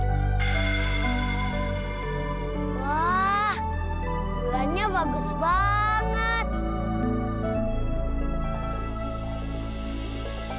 waaah bulannya bagus banget